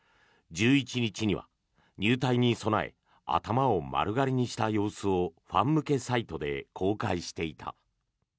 １１日は入隊に備え頭を丸刈りにした様子をファン向けサイトで公開していた。